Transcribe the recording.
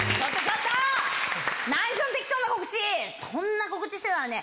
そんな告知してたらね